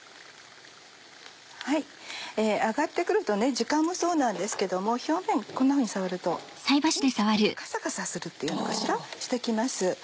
揚がって来ると時間もそうなんですけども表面こんなふうに触るとちょっとカサカサするっていうのかしらして来ます。